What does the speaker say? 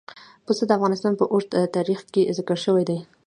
پسه د افغانستان په اوږده تاریخ کې ذکر شوی دی.